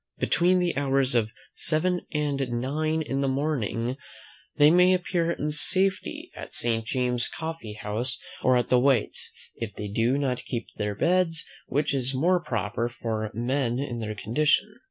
Between the hours of seven and nine in the morning, they may appear in safety at Saint James's coffee house, or at White's, if they do not keep their beds, which is more proper for men in their condition.